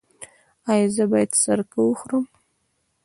ایا زه باید سرکه وخورم؟